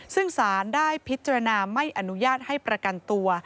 ซึ่งสารได้พิจารณาไม่อนุญาตให้ประกันตัว